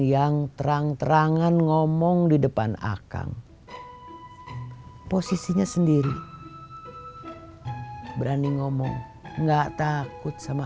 yang terang terangan ngomong di depan akang posisinya sendiri berani ngomong enggak takut sama